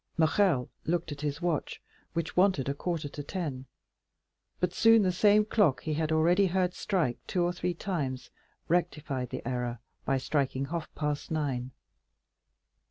Morrel looked at his watch, which wanted a quarter to ten; but soon the same clock he had already heard strike two or three times rectified the error by striking half past nine.